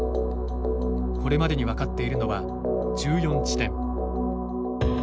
これまでに分かっているのは１４地点。